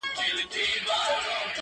له دربار له تخت و تاج څخه پردۍ سوه!!